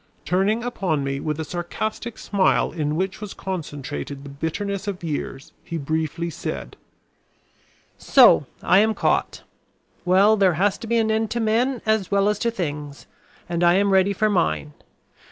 Turning upon me with a sarcastic smile in which was concentrated the bitterness of years, he briefly said: "So, I am caught! Well, there has to be an end to men as well as to things, and I am ready for mine.